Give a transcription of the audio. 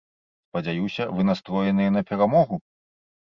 Спадзяюся, вы настроеныя на перамогу?